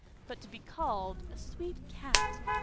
But to be called "a sweet cat!"